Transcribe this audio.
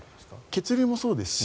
血流もそうですし